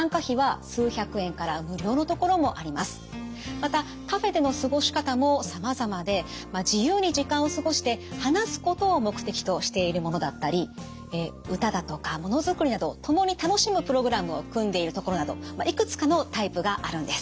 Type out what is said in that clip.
またカフェでの過ごし方もさまざまで自由に時間を過ごして話すことを目的としているものだったり歌だとかものづくりなど共に楽しむプログラムを組んでいるところなどいくつかのタイプがあるんです。